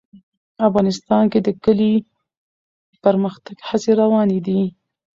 افغانستان کې د کلي د پرمختګ هڅې روانې دي.